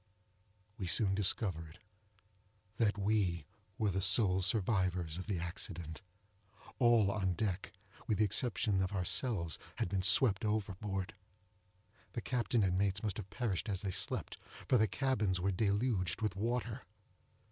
We soon discovered that we were the sole survivors of the accident. All on deck, with the exception of ourselves, had been swept overboard;—the captain and mates must have perished as they slept, for the cabins were deluged with water.